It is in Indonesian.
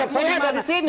adabnya ada di sini